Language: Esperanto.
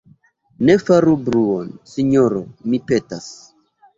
Ne faru bruon, sinjoro, mi petas.